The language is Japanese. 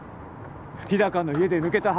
日高の家で抜けた歯